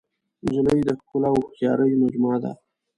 نجلۍ د ښکلا او هوښیارۍ مجموعه ده.